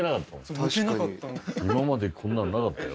今までこんなのなかったよ